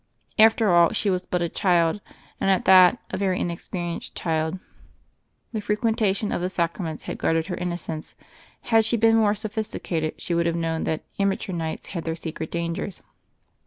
After all, she was but a child and, at that, a very inexperienced child. The f requentation of the Sacraments had guarded her innocence; had she been more sophisticated she would have known that "ama teur nights" had their secret dangers.